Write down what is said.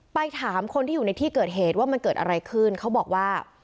ไปถามคนที่อยู่ในที่เกิดเหตุว่ามันเกิดอะไรขึ้นเขาบอกว่า